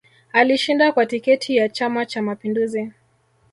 Alishinda kwa tiketi ya chama cha mapinduzi